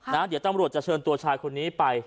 เดี๋ยวตำรวจจะเชิญตัวชายคนนี้ไป